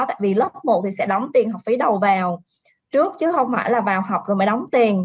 tại vì lớp một thì sẽ đóng tiền học phí đầu vào trước chứ không phải là vào học rồi mới đóng tiền